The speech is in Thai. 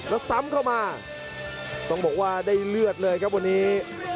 แล้วซ้ำเข้ามาต้องบอกว่าได้เลือดเลยครับวันนี้